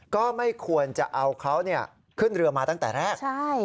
ก็ไม่ควรจะเอาเขาขึ้นเรือมาตั้งแต่แรก